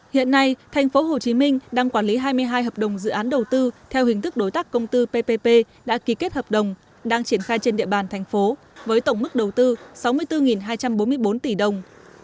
hiện nay tp hcm đang quản lý hai mươi hai hợp đồng dự án đầu tư theo hình thức đối tác công tư ppp đã ký kết hợp đồng đang triển khai trên địa bàn thành phố với tổng mức đầu tư sáu mươi bốn hai trăm bốn mươi bốn tỷ đồng